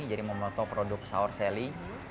jadi memotong produk saur seli